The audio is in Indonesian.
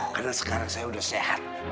karena sekarang saya udah sehat